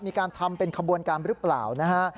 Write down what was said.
มีการทำเป็นขบวนการหรือเปล่านะฮะ